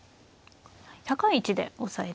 高い位置で押さえて。